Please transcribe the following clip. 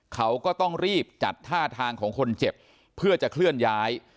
เขาก็ต้องรีบจัดท่าทางของคนเจ็บเพื่อจะเคลื่อนย้าย